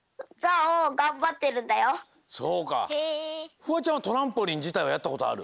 フワちゃんはトランポリンじたいはやったことある？